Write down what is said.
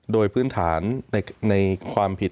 โดยพื้นฐานในความผิด